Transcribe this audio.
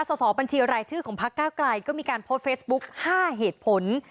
สอบบัญชีรายชื่อของพักเก้าไกลก็มีการโพสต์เฟซบุ๊ก๕เหตุผล